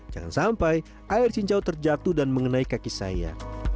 jangan sampai air cincau terjatuh dan mengenai kaki saya